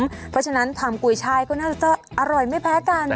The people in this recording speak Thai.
เพราะฉะนั้นทำกุยช่ายก็น่าจะอร่อยไม่แพ้กัน